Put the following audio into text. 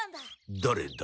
だれだ？